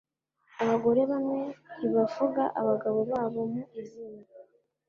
Abagore bamwe ntibavuga abagabo babo mu izina